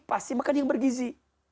pasti makan yang bergizi